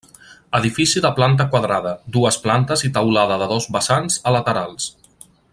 Edifici de planta quadrada, dues plantes i teulada de dos vessants a laterals.